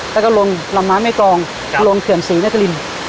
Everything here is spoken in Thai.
แล้วก็ลงลำน้ำแม่กองครับลงเขื่อนศรีนักริมอ๋อ